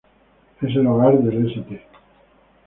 Es el hogar del St.